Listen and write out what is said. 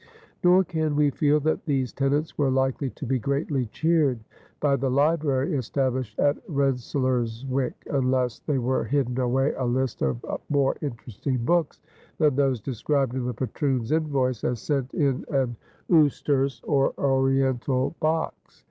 Nor can we feel that these tenants were likely to be greatly cheered by the library established at Rensselaerswyck, unless there were hidden away a list of more interesting books than those described in the patroon's invoice as sent in an oosterse, or oriental, box.